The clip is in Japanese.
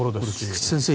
菊地先生